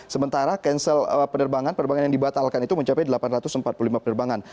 sementara cancel penerbangan penerbangan yang dibatalkan itu mencapai delapan ratus empat puluh lima penerbangan